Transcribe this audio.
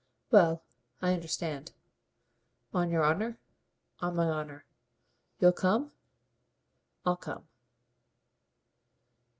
"Well, I understand." "On your honour?" "On my honour." "You'll come?" "I'll come."